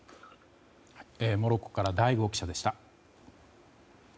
モロッコから醍醐記者でした。